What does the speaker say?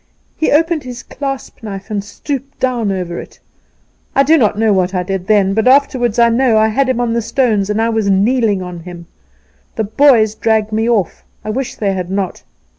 He opened his clasp knife and stooped down over it. I do not know what I did then. But afterward I know I had him on the stones, and I was kneeling on him. The boys dragged me off. I wish they had not.